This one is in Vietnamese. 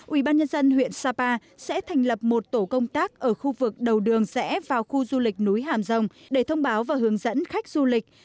ủy ban nhân dân huyện sapa sẽ thành lập một tổ công tác ở khu vực đầu đường rẽ vào khu du lịch núi hàm rồng để thông báo và hướng dẫn khách du lịch